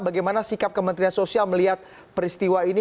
bagaimana sikap kementerian sosial melihat peristiwa ini